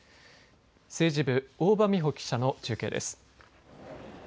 政治部の大場美歩記者の中継です。